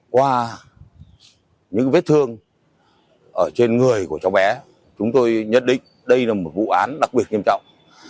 qua những vết thương ở trên người của cháu bé chúng tôi nhận định đây là một vụ án đặc biệt nghiêm trọng